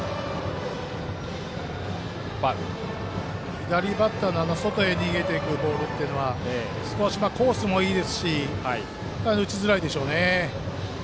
左バッターの外へ逃げていくボールというのはコースもいいですし打ちづらいでしょうね。